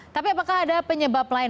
tapi apakah ada penyebab lain